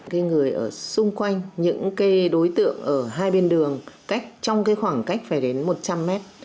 cây người ở xung quanh những cây đối tượng ở hai bên đường trong cái khoảng cách phải đến một trăm linh mét